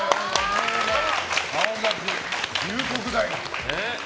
青学と龍谷大学ね。